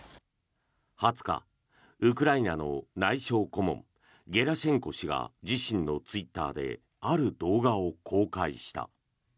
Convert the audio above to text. ２０日、ウクライナの内相顧問ゲラシェンコ氏が自身のツイッターである動画を公開した。